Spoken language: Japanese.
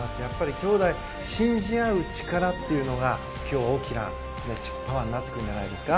兄妹、信じ合う力というのが今日、大きなパワーになってくるんじゃないですか。